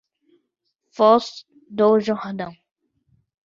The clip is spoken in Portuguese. Foz do Jordão